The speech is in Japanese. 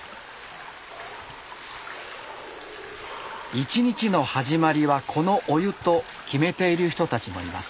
「一日の始まりはこのお湯」と決めている人たちもいます。